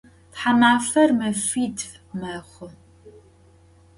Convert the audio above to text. Thamafer mefitf mexhu.